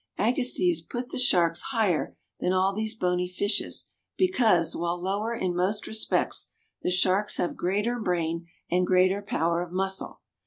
Agassiz put the sharks higher than all these bony fishes because, while lower in most respects, the sharks have greater brain and greater power of muscle.